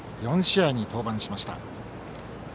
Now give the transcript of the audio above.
４試合に登板しました。